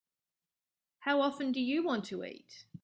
How often do you want to eat?